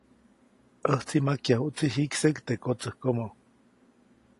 ‒ʼÄjtsi majkyajuʼtsi jikseʼk teʼ kotsäjkomo-.